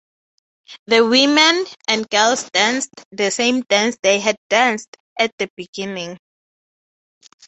The women and girls danced the same dance they had danced at the beginning.